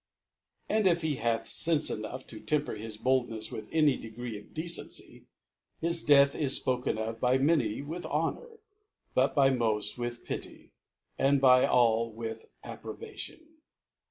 And if he hach Senfe enough to temper hk Bddne& with any Degree of Decency, his Death is fpoke of by many with Honour, by moft with Pity, and by all with Approbation.